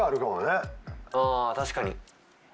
あ確かに。